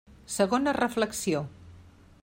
Segona reflexió.